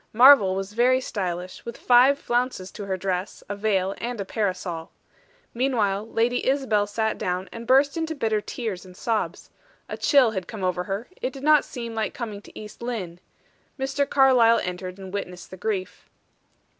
Marvel was very stylish, with five flounces to her dress, a veil, and a parasol. Meanwhile, Lady Isabel sat down and burst into bitter tears and sobs. A chill had come over her; it did not seem like coming to East Lynne. Mr. Carlyle entered and witnessed the grief.